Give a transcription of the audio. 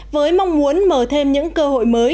với mong muốn mở thêm những cơ hội mới